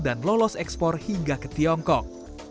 dan lolos ekspor hingga ke tiongkok